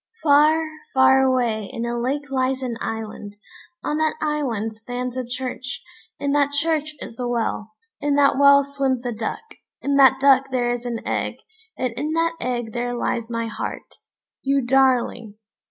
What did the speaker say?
"] "Far, far away in a lake lies an island; on that island stands a church; in that church is a well; in that well swims a duck; in that duck there is an egg, and in that egg there lies my heart, you darling!"